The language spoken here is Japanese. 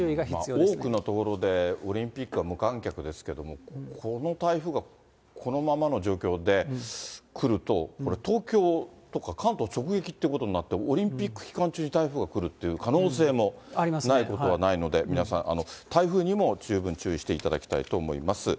多くの所でオリンピックは無観客ですけれども、この台風が、このままの状況で来ると、これ、東京とか関東直撃ということになって、オリンピック期間中に台風が来るっていう可能性もないことはないので、皆さん、台風にも十分注意をしていただきたいと思います。